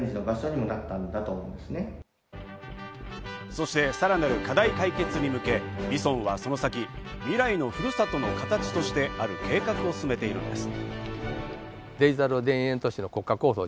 そして、さらなる課題解決に向け、ＶＩＳＯＮはその先、ミライのふるさとの形としてある計画を進めているんです。